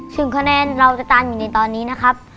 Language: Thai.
คะแนนเราจะตามอยู่ในตอนนี้นะครับ